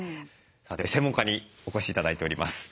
さて専門家にお越し頂いております。